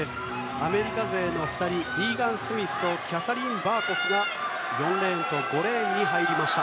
アメリカ勢の２人リーガン・スミスとキャサリン・バーコフが４レーンと５レーンに入りました。